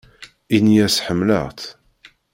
Ini-as ḥemmleɣ-tt.